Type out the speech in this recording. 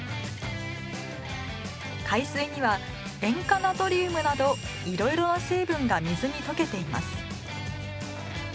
海水には塩化ナトリウムなどいろいろな成分が水にとけています。